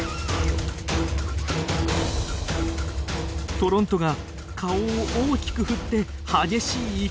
トロントが顔を大きく振って激しい威嚇。